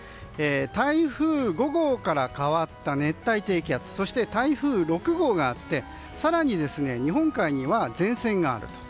台風５号から変わった熱帯低気圧そして台風６号があって更に日本海には前線があると。